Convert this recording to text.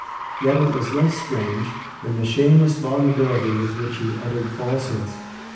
Yet it was less strange than the shameless volubility with which he uttered falsehoods.